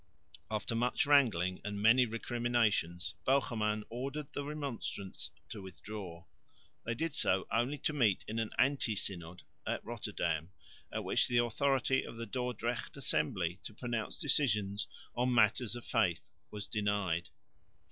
After much wrangling and many recriminations Bogerman ordered the Remonstrants to withdraw. They did so only to meet in an "anti synod" at Rotterdam at which the authority of the Dordrecht assembly to pronounce decisions on matters of faith was denied.